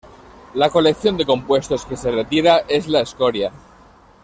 La colección de compuestos que se retira es la escoria.